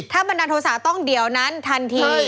ถ้าบันดาลโทษะต้องเดี๋ยวนั้นทันที